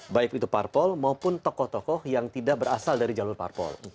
baik itu parpol maupun tokoh tokoh yang tidak berasal dari jalur parpol